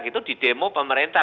itu di demo pemerintah